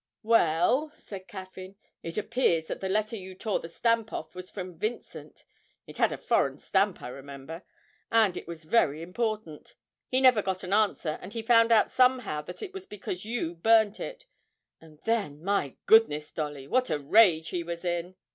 'Well,' said Caffyn, 'it appears that the letter you tore the stamp off was from Vincent (it had a foreign stamp, I remember), and it was very important. He never got an answer, and he found out somehow that it was because you burnt it and then my goodness, Dolly, what a rage he was in!'